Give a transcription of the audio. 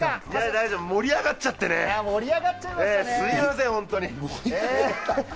大丈夫、盛り上がっちゃってね、すみません本当に。